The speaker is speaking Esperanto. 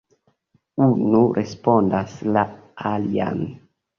Unu respondas la alian.